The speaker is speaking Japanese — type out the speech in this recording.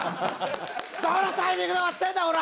どのタイミングで終わってんだオラ！